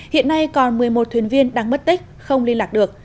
hiện nay còn một mươi một thuyền viên đang mất tích không liên lạc được